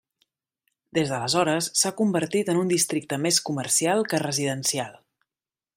Des d'aleshores, s'ha convertit en un districte més comercial que residencial.